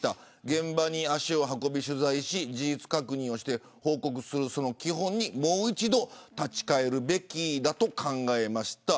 現場に足を運び取材し事実確認をして報告する基本にもう一度、立ち返るべきだと考えました。